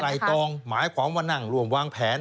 ถ้าไตรตรองหมายความว่านั่งรวมวางแผน